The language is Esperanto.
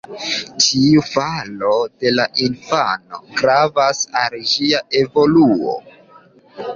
Tiu faro de la infano gravas al ĝia evoluo.